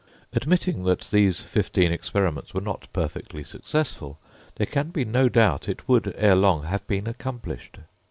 Admitting that these fifteen experiments were not perfectly successful, there can be no doubt it would ere long have been accomplished.